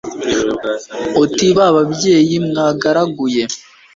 uti ba babyeyi mwagaraguye